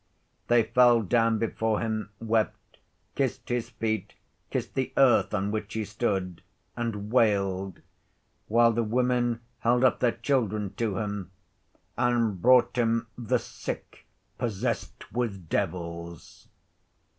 They fell down before him, wept, kissed his feet, kissed the earth on which he stood, and wailed, while the women held up their children to him and brought him the sick "possessed with devils."